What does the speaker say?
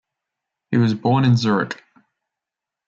He was born in Zurich.